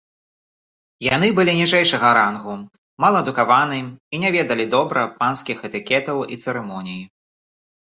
Яны былі ніжэйшага рангу, мала адукаваны і не ведалі добра панскіх этыкетаў і цырымоній.